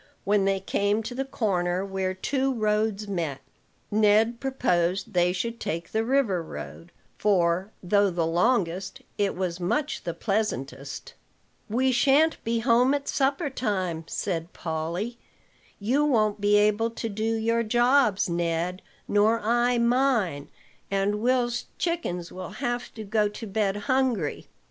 When they came to the corner where two roads met, Ned proposed they should take the river road; for, though the longest, it was much the pleasantest. "We shan't be home at supper time," said Polly. "You won't be able to do your jobs, Ned, nor I mine, and Will's chickens will have to go to bed hungry."